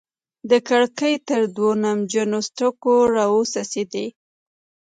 د کړکۍ تر دوو نمجنو ستوګو راوڅڅيدې